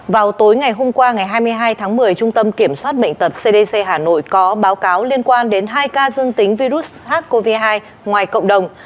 vào tối ngày hôm qua ngày hai mươi hai tháng một mươi trung tâm kiểm soát bệnh tật cdc hà nội có báo cáo liên quan đến hai ca dương tính virus sars cov hai ngoài cộng đồng